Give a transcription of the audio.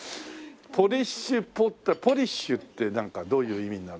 ポリッシュポリッシュってなんかどういう意味になる？